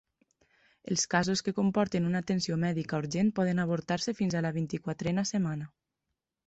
Els casos que comporten una atenció mèdica urgent poder avortar-se fins a la vint-i-quatrena setmana.